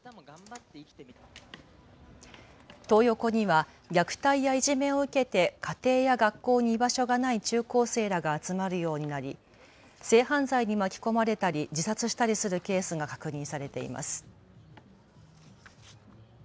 トー横には虐待やいじめを受けて家庭や学校に居場所がない中高生らが集まるようになり性犯罪に巻き込まれたり自殺したりするケースが確認されています。